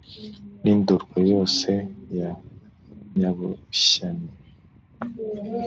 N'i Ndorwa yose ya Nyabushyami